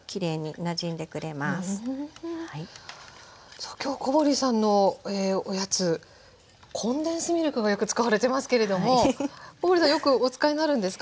さあ今日小堀さんのおやつコンデンスミルクがよく使われてますけれども小堀さんよくお使いになるんですか？